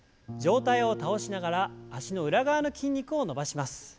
上体を倒しながら脚の裏側の筋肉を伸ばします。